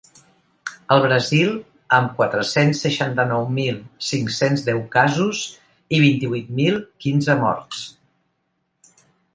El Brasil, amb quatre-cents seixanta-nou mil cinc-cents deu casos i vint-i-vuit mil quinze morts.